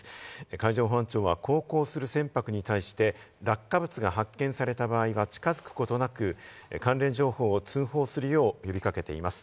海上保安庁は航行する船舶に対して、落下物が発見された場合は近づくことなく、関連情報を通報するよう呼び掛けています。